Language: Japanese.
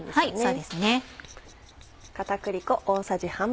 そうですね。